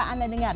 buka anda dengar